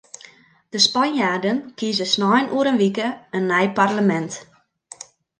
De Spanjaarden kieze snein oer in wike in nij parlemint.